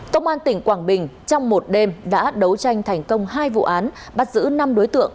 công an tỉnh quảng bình trong một đêm đã đấu tranh thành công hai vụ án bắt giữ năm đối tượng